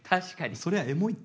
そりゃエモいって。